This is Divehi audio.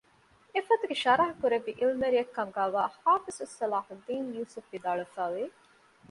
އެ ފޮތުގެ ޝަރަޙަކުރެއްވި ޢިލްމުވެރިޔަކުކަމުގައިވާ ޙާފިޡު ޞަލާޙުއްދީނު ޔޫސުފު ވިދާޅުވެފައިވެ